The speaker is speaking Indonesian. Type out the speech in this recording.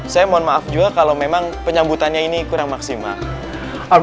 saya mohon maaf juga kalau memang penyambutannya ini kurang maksimal